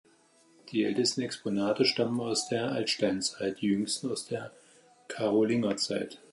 Die ältesten Exponate stammen aus der Altsteinzeit, die jüngsten aus der Karolingerzeit.